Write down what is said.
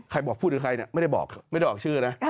ใครบอกพูดถึงใครไม่ได้บอกชื่อนะ